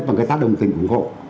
và người ta đồng tình ủng hộ